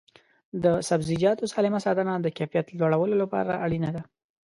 د سبزیجاتو سالم ساتنه د کیفیت لوړولو لپاره اړینه ده.